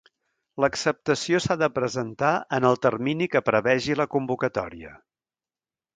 L'acceptació s'ha de presentar en el termini que prevegi la convocatòria.